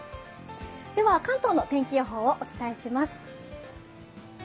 関東の天気予報をお伝えします。